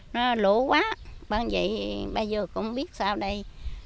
nó lỗ quá bây giờ cũng không biết sao đây